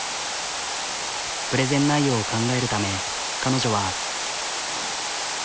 プレゼン内容を考えるため彼女は。